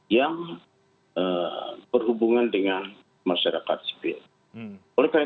yang berhubungan dengan masyarakat sipil